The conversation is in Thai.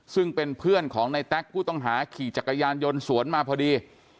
ซึ่งเป็นเพื่อนของในแต๊กผู้ต้องหาขี่จักรยานยนต์สวนมาพอดี